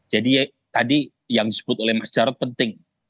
jadi tadi yang disebut oleh mas jarod penting